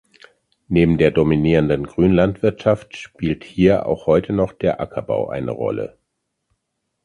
Neben der dominierenden Grünlandwirtschaft spielt hier auch heute noch der Ackerbau eine Rolle.